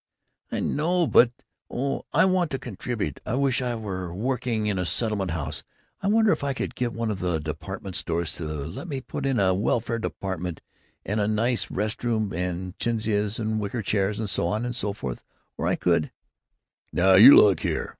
"I know, but oh, I want to contribute I wish I were working in a settlement house. I wonder if I could get one of the department stores to let me put in a welfare department with a nice rest room and chintzes and wicker chairs and so on and so forth. Or I could " "Now you look here!